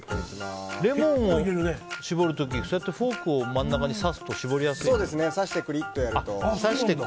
レモンを搾る時、そうやってフォークを真ん中に刺すと刺して、クリッとやると。